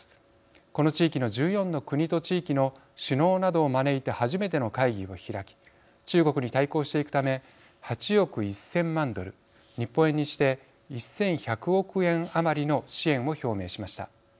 この地域の１４の国と地域の首脳などを招いて初めての会議を開き中国に対抗していくため８億１，０００万ドル日本円にして１，１００億円余りの支援を表明しました。